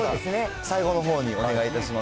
最後のほうにお願いいたします。